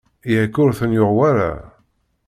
Yak ur ten-yuɣ wara?